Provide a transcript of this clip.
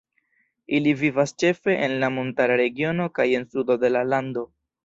Ili vivas ĉefe en la montara regiono kaj en sudo de la lando.